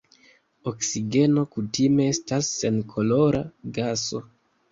Oksigeno kutime estas senkolora gaso.